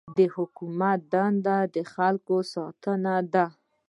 د حکومت دنده د خلکو ساتنه ده.